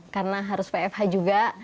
karena harus vfh juga